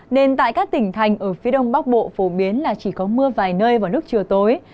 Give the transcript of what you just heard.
nên tại các tỉnh thành ở phía đông bắc bộ phổ biến là chỉ có mưa vài nơi vào lúc chiều tối